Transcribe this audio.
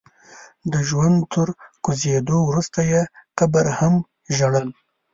د ژوند تر کوزېدو وروسته يې قبر هم ژړل.